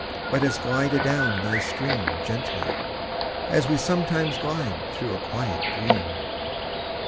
Let us glide adown thy stream Gently as we sometimes glide Through a quiet dream!